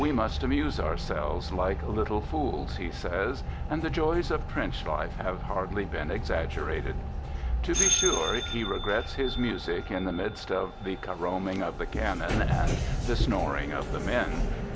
We amuse ourselves like " little fools," he says, and " the joys of trench life have hardly been exag gerated." To be sure, he regrets his music, in the midst of the caroming of the cannon and the snoring of the men.